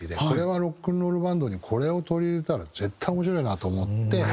これはロックンロールバンドにこれを取り入れたら絶対面白いなと思って。